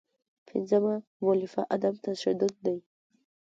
پنځمه مولفه عدم تشدد دی.